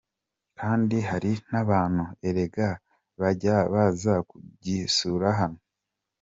Kandi hari n’abantu erega bajyaga baza kugisura hano.